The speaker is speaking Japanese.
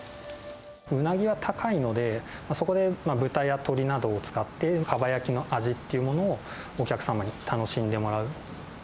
ウナギは高いので、そこで豚や鶏などを使って、かば焼きの味っていうものをお客様に楽しんでもらう。